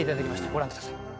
ご覧ください。